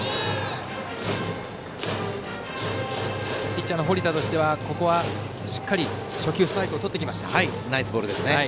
ピッチャーの堀田としてはここはしっかり初球、ストライクをとってきた。